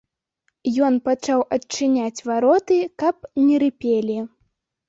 Ён пачаў адчыняць вароты, каб не рыпелі.